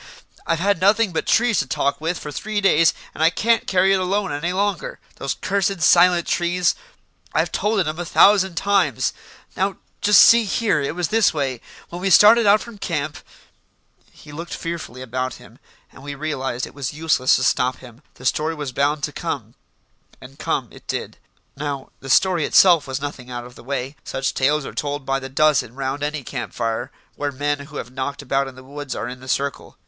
I've had nothing but trees to talk with for three days, and I can't carry it alone any longer. Those cursed, silent trees I've told it 'em a thousand times. Now, just see here, it was this way. When we started out from camp " He looked fearfully about him, and we realised it was useless to stop him. The story was bound to come, and come it did. Now, the story itself was nothing out of the way; such tales are told by the dozen round any camp fire where men who have knocked about in the woods are in the circle.